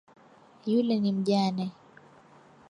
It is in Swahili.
Yule ni mjane